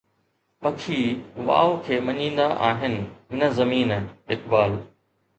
پکي واءُ کي مڃيندا آهن، نه زمين، اقبال